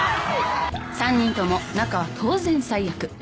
３人とも仲は当然最悪。